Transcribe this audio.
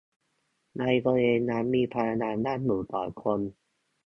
ในบริเวณนั้นมีพยาบาลนั่งอยู่สองคน